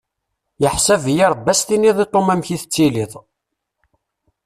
Yeḥsab-iyi Rebbi ad as-tiniḍ i Tom amek i tettiliḍ.